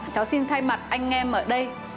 cháu xin thay mặt anh em ở đây